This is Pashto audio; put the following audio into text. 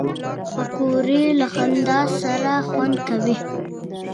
پکورې له خندا سره خوند کوي